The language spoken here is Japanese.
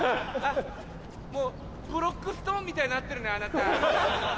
ブロックストーンみたいになってるねあなた。